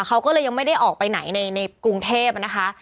เขาก็เลยยังไม่ได้ออกไปไหนในกรุงเทพนะคะ